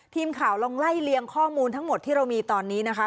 ทีมข่าวลองไล่เลียงข้อมูลทั้งหมดที่เรามีตอนนี้นะคะ